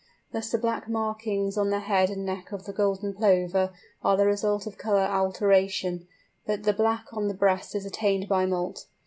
Thus the black markings on the head and neck of the Golden Plover are the result of colour alteration, but the black on the breast is attained by moult.